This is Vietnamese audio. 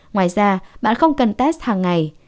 ngoài ra bạn không cần test hàng ngày